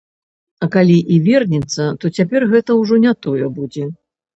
А калі і вернецца, то цяпер гэта ўжо не тое будзе.